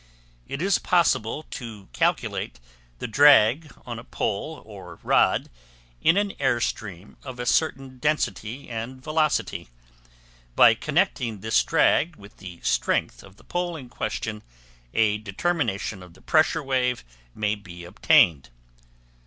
It is possible to calculate the drag on a pole or rod in an airstream of a certain density and velocity; by connecting this drag with the strength of the pole in question, a determination of the pressure wave may be obtained.